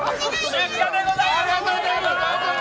出荷でございます！